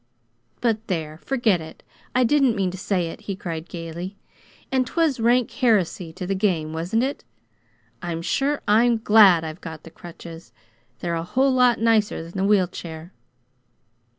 "But, there, forget it! I didn't mean to say it," he cried gaily. "And 'twas rank heresy to the game, wasn't it? I'm sure I'm GLAD I've got the crutches. They're a whole lot nicer than the wheel chair!"